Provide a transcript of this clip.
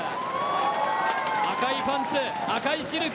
赤いパンツ、赤いシルク。